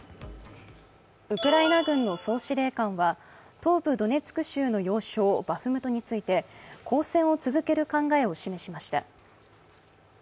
ウクライナ軍の総司令官は東部ドネツク州の要衝バフムトについて抗戦を続ける考えを示しました。